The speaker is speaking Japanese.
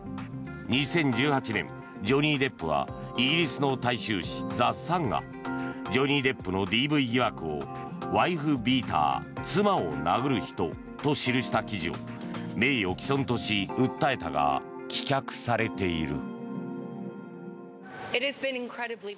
２０１８年、ジョニー・デップはイギリスの大衆紙ザ・サンがジョニー・デップのＤＶ疑惑をワイフビーター妻を殴る人と記した記事を名誉棄損とし、訴えたが棄却されている。